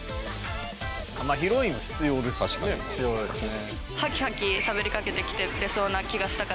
まあヒロインも必要ですよね。